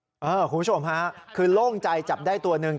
คุณผู้ชมฮะคือโล่งใจจับได้ตัวหนึ่ง